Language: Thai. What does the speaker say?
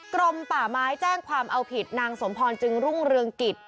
กรมป่าไม้แจ้งความเอาผิดนางสมพรจึงรุ่งเรืองกิจ